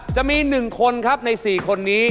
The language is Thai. จะมี๑คนครับใน๔คนนี้